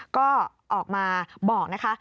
ก็ออกมาบอกนะคะ